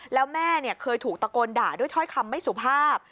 แล้วแม่เคยถูกตะโกนด่าด้วยถ้อยคำไม่สุภาพ